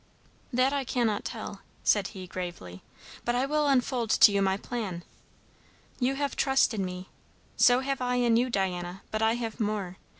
"That I cannot tell," said he gravely, "but I will unfold to you my plan. You have trust in me. So have I in you, Diana; but I have more.